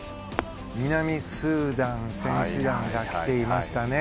南スーダン選手団が来ていましたね。